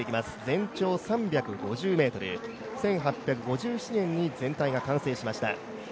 全長３５０ｍ、１８５７年に全体が完成しました。